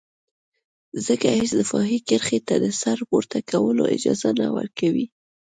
ځکه هېڅ دفاعي کرښې ته د سر پورته کولو اجازه نه ورکوي.